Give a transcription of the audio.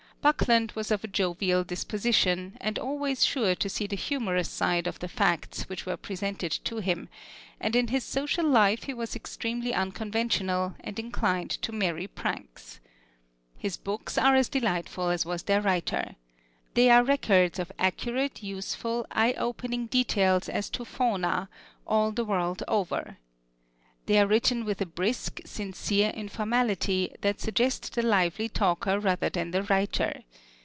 Buckland was of a jovial disposition, and always sure to see the humorous side of the facts which were presented to him; and in his social life he was extremely unconventional, and inclined to merry pranks. His books are as delightful as was their writer. They are records of accurate, useful, eye opening details as to fauna, all the world over. They are written with a brisk, sincere informality that suggest the lively talker rather than the writer.